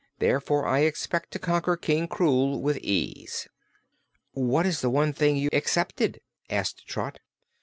Therefore I expect to conquer King Krewl with ease." "What is that one thing you excepted?" asked Trot.